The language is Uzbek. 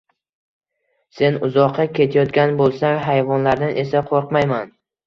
Sen uzoqqa ketayotgan bo‘lsang... Hayvonlardan esa qo‘rqmayman.